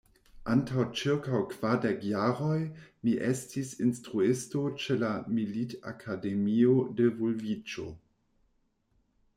Antaŭ ĉirkaŭ kvardek jaroj mi estis instruisto ĉe la militakademio de Vulviĉo.